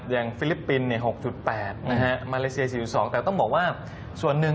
ฟิลิปปินส์๖๘นะฮะมาเลเซีย๔๒แต่ต้องบอกว่าส่วนหนึ่ง